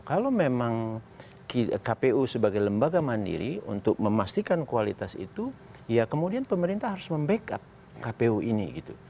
kalau memang kpu sebagai lembaga mandiri untuk memastikan kualitas itu ya kemudian pemerintah harus membackup kpu ini gitu